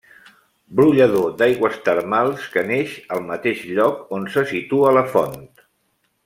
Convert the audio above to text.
Brollador d'aigües termals que neix al mateix lloc on se situa la font.